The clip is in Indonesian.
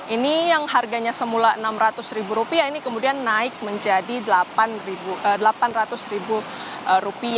ini yang harganya semula rp enam ratus ini kemudian naik menjadi rp delapan ratus